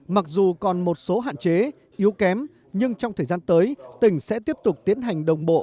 mặc dù còn một số hạn chế yếu kém nhưng trong thời gian tới tỉnh sẽ tiếp tục tiến hành đồng bộ